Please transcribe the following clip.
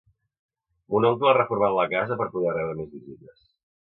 Mon oncle ha reformat la casa per a poder rebre més visites.